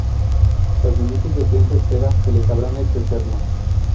Los minutos de tensa espera se les habrán hecho eternos.